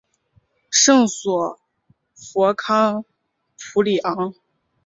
圣索弗康普里厄。